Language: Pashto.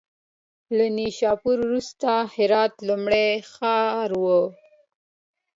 له نیشاپور وروسته هرات لومړی ښار و.